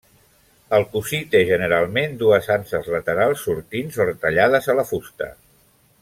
El cossi té generalment dues anses laterals sortints o retallades a la fusta.